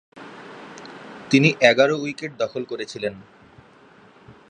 তিনি এগারো উইকেট দখল করেছিলেন।